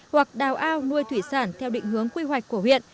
hoặc đào ao nuôi thủy sản theo định hướng quy hoạch của huyện